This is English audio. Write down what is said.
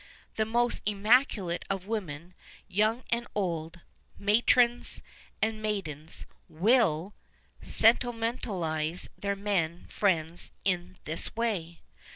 The most immaculate of women, young and old, matrons and maidens, rvill sentimentalize their men friends in this way.